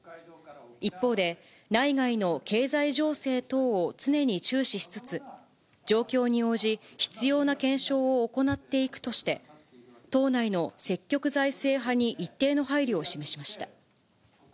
一方で、内外の経済情勢等を常に注視しつつ、状況に応じ、必要な検証を行っていくとして、党内の積極財政派に一定の配慮を示しました。